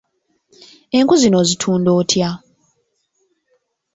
Enku zino ozitunda otya?